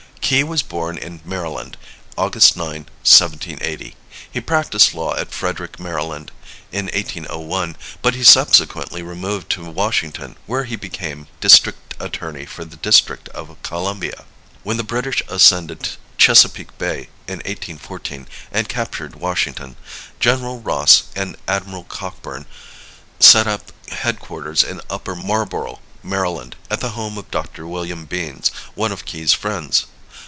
Key was born in Maryland, August 9, 1780. He practised law at Frederick, Maryland, in 1801, but he subsequently removed to Washington, where he became district attorney for the District of Columbia. When the British ascended Chesapeake Bay, in 1814, and captured Washington, General Ross and Admiral Cockburn set up headquarters in Upper Marlboro, Maryland, at the home of Dr. William Beanes, one of Key's friends.